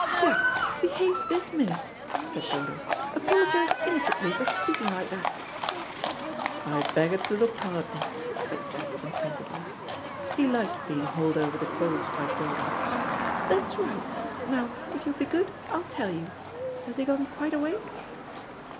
"Jack, behave this minute," said Dodo. "Apologise instantly for speaking like that." "I beg its little pardon," said Jack contentedly. He liked being hauled over the coals by Dodo. "That's right; now, if you'll be good, I'll tell you. Has he gone quite away?"